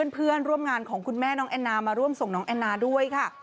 เพื่อนร่วมงานของคุณแม่น้องแอนนามาร่วมส่งน้องแอนนาด้วยค่ะ